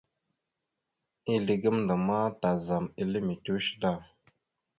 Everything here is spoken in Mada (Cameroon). Ezle gamənda ma tazam ele mitəweshe da.